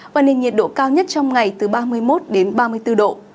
và nền nhiệt độ cao nhất trong ngày từ ba mươi một đến ba mươi bốn độ